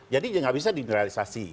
jadi tidak bisa di generalisasi